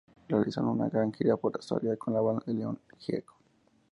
Realizaron una gira por Australia con la banda de León Gieco.